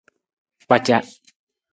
Kpaca.